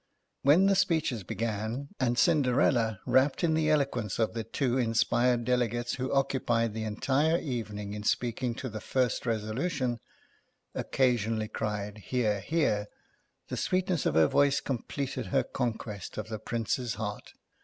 When the speeches began, and Cinderella wrapped in the eloquence of the two inspired delegates who occupied the entire evening in speaking to the first Reso lution, occasionally cried, "Hear, hear!" the sweetness of her voice completed her con quest of the Prince's heart.